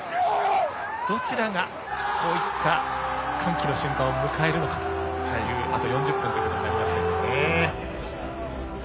どちらが、こうした歓喜の瞬間を迎えるのかというあと４０分となりますね。